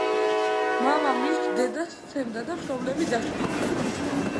მამა მის დედას სცემდა და მშობლები დაშორდნენ.